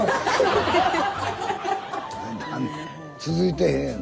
続いてへんやん。